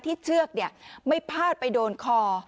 เชือกไม่พาดไปโดนคอ